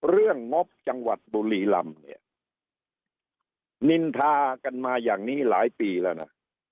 เรื่องมบจังหวัดบุรีลำนินทากันมาอย่างนี้หลายปีแล้วนะ